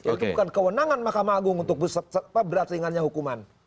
itu bukan kewenangan mahkamah agung untuk berat ringannya hukuman